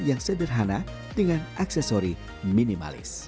yang sederhana dengan aksesori minimalis